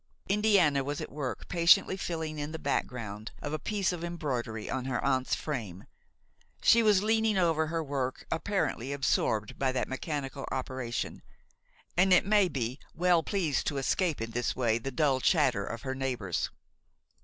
Indiana was at work patiently filling in the background of a piece of embroidery on her aunt's frame. She was leaning over her work, apparently absorbed by that mechanical operation, and, it may be, well pleased to escape in this way the dull chatter of her neighbors.